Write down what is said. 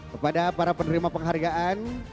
kepada para penerima penghargaan